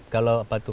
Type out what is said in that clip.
kalau apa itu